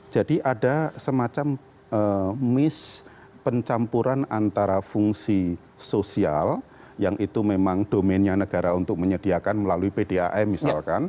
jadi ada semacam miss pencampuran antara fungsi sosial yang itu memang domennya negara untuk menyediakan melalui pdam misalkan